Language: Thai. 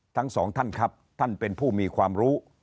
ทั้งสองท่านครับท่านเป็นผู้มีความรู้